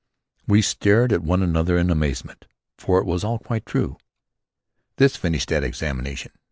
We stared at one another in amazement, for it was all quite true. This finished that examination.